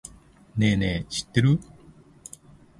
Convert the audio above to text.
ねぇねぇ、知ってる？